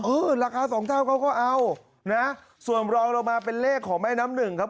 ราคาสองเท่าเขาก็เอานะส่วนรองลงมาเป็นเลขของแม่น้ำหนึ่งครับ